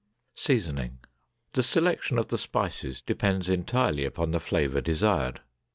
SEASONING. The selection of the spices depends entirely upon the flavor desired.